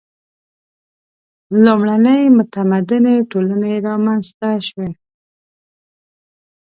• لومړنۍ متمدنې ټولنې رامنځته شوې.